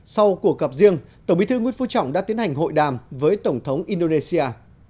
sau cuộc gặp riêng tổng bí thư nguyễn phú trọng đã tiến hành hội đàm với tổng thống indonesia